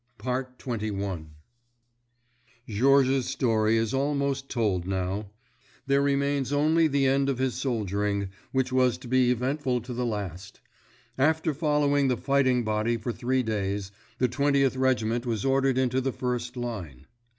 XXI Georges's story is almost told, now; there remains only the end of his soldiering, which was to be eventful to the last. After following the fighting body for three days, the Twentieth Regiment was ordered into the first line.